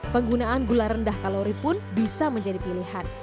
penggunaan gula rendah kalori pun bisa menjadi pilihan